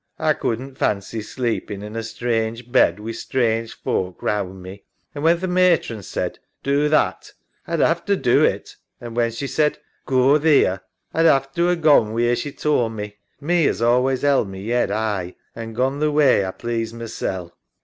A couldn't fancy sleepin' in a strange bed wi' strange folk round me, an' when th' Matron said " Do that" A'd 'ave to do it, an' when she said "Go theer" A'd 'ave to a' gone wheer she tould me — me as 'as allays 'eld my yead 'igh an' gone the way A pleased masel'.